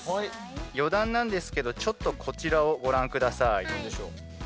余談なんですけどちょっとこちらをご覧下さい。